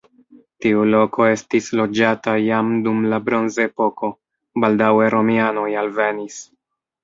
Tiu loko estis loĝata jam dum la bronzepoko, baldaŭe romianoj alvenis.